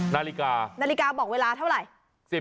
นาฬิกานาฬิกาบอกเวลาเท่าไหร่